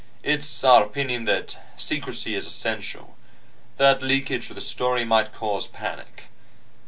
It's our opinion that secrecy is essential, that leakage of the story might cause panic.